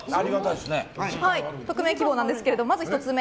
匿名希望なんですけれどまず１つ目。